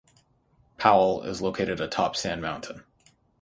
Powell is located atop Sand Mountain.